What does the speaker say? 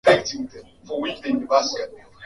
ambao unaweza ku ku kuongoza